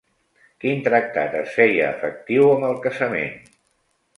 Quin tractat es feia efectiu amb el casament?